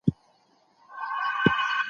هغوی د مستو په څښلو بوخت دي.